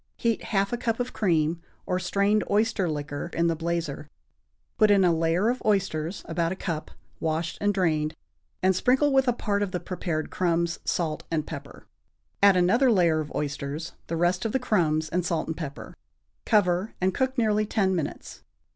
Heat half a cup of cream or strained oyster liquor in the blazer, put in a layer of oysters (about a cup), washed and drained, and sprinkle with a part of the prepared crumbs, salt and pepper; add another layer of oysters, the rest of the crumbs, and salt and pepper. Cover, and cook nearly ten minutes.